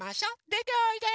でておいで！